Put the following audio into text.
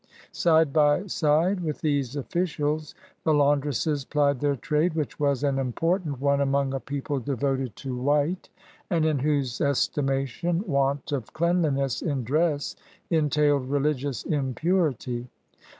Side by side with these ofl&cials, the laundresses pKed their trade, which was an important one among a people devoted to white, and in whose estimation want of clean liness in dress entailed religious impurity.